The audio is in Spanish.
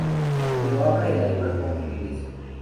Pero habla el alemán con fluidez.